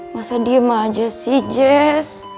masa diem aja sih jazz